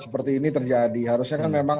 seperti ini terjadi harusnya kan memang